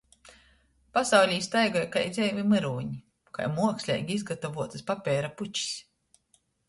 Pasaulī staigoj kai dzeivi myrūni, kai muoksleigi izgatavuotys papeira pučis.